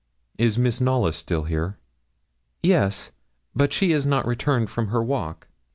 Is Miss Knollys still here?' 'Yes, but she is not returned from her walk.'